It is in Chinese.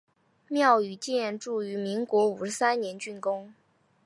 庙宇建筑于民国五十三年竣工。